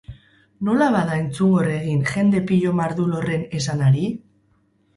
Nola, bada, entzungor egin jende pilo mardul horren esanari?